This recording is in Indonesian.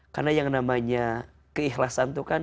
karena yang namanya keikhlasan itu kan